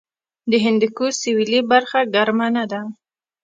د هندوکش سویلي برخه ګرمه ده